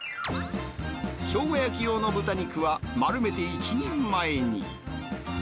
しょうが焼き用の豚肉は、丸めて１人前に。